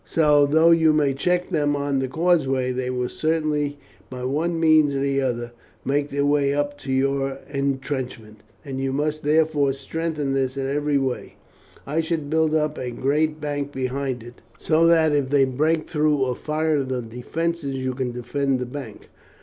So, though you may check them on the causeway, they will certainly, by one means or other, make their way up to your intrenchment, and you must therefore strengthen this in every way. I should build up a great bank behind it, so that if they break through or fire the defences you can defend the bank.